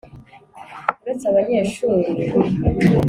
uretse abanyeshuri